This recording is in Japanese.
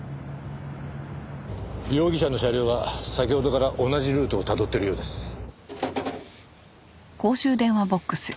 容疑者の車両は先ほどから同じルートをたどってるようです。